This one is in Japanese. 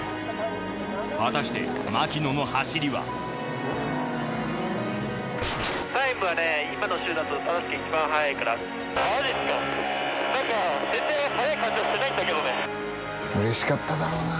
果たして牧野の走りはうれしかっただろうな。